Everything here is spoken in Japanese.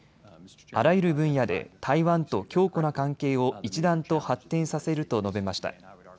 あらゆる分野で台湾と強固な関係を一段と発展させると述べました。